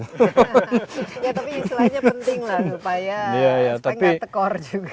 ya tapi istilahnya penting lah supaya nggak tekor juga